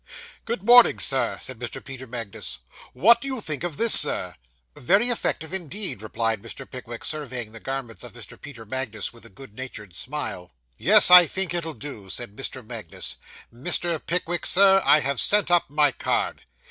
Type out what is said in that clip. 'Good morning, Sir,' said Mr. Peter Magnus. 'What do you think of this, Sir?' 'Very effective indeed,' replied Mr. Pickwick, surveying the garments of Mr. Peter Magnus with a good natured smile. 'Yes, I think it'll do,' said Mr. Magnus. 'Mr. Pickwick, Sir, I have sent up my card.